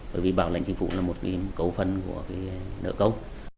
bởi vì bảo lãnh chính phủ là một cấu phần của nợ công